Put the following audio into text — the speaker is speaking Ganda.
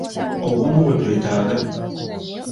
Obumu bwe twetaaga.